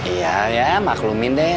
iya ya maklumin deh